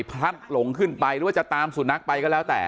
พลัดหลงขึ้นไปหรือว่าจะตามสุนัขไปก็แล้วแต่